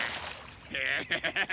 フハハハ！